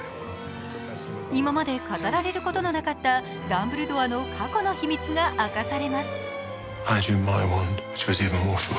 今まで語られることのなかったダンブルドアの過去の秘密が明かされます。